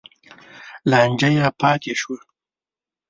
لانجه یې پاتې شوه.